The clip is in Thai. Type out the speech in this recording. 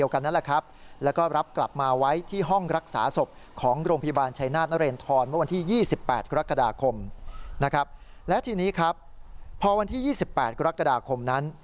วันที่๒๘กรกฎาคมนั้น